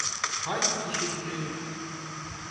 Halbuki şimdi…